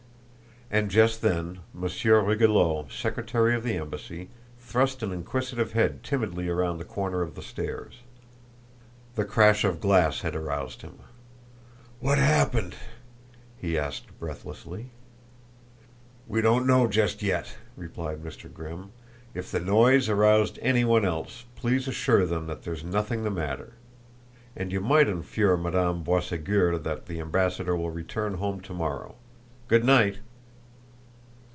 And just then Monsieur Rigolot, secretary of the embassy, thrust an inquisitive head timidly around the corner of the stairs. The crash of glass had aroused him. "What happened?" he asked breathlessly. "We don't know just yet," replied Mr. Grimm. "If the noise aroused any one else please assure them that there's nothing the matter. And you might inform Madame Boisségur that the ambassador will return home to morrow. Good night!"